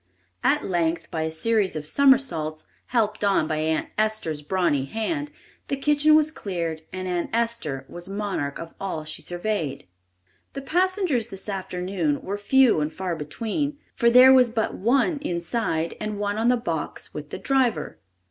At length, by a series of somersaults, helped on by Aunt Esther's brawny hand, the kitchen was cleared and Aunt Esther was "monarch of all she surveyed." The passengers this afternoon were few and far between, for there was but one inside and one on the box with the driver.